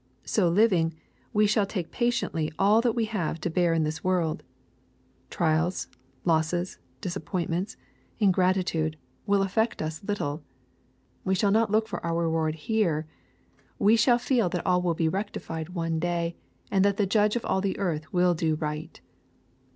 — So living, we shall take patiently all that we have to bear in this world. Trials, losses, disappointments, ingratitude, will 156 EXPOSITORY THOUGHTS. affect us little. We shall not look for our reward here, We shall feel that all will be rectified one day, and that the Judge of all the earth will do right.